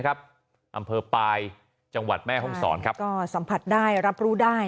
อำเภอปลายจังหวัดแม่ห้องศรครับก็สัมผัสได้รับรู้ได้